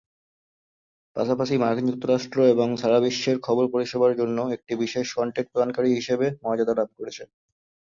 পাশাপাশি মার্কিন যুক্তরাষ্ট্র এবং সারা বিশ্বের খবর পরিষেবার জন্য একটি বিশেষ কন্টেন্ট প্রদানকারী হিসেবে মর্যাদা লাভ করেছে।